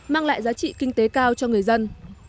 mang lại giá trị kinh tế cao cho người dân